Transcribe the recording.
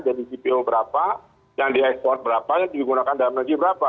jadi cpo berapa yang diekspor berapa yang digunakan dalam negeri berapa